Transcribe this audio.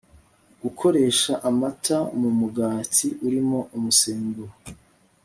Gukoresha Amata mu Mugati Urimo Umusemburo